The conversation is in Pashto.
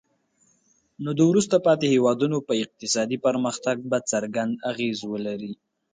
نو د وروسته پاتې هیوادونو په اقتصادي پرمختګ به څرګند اغیز ولري.